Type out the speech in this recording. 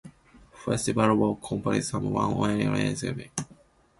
Festival Walk comprises some one million square feet of retail space.